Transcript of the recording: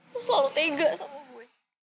gue selalu tega sama gue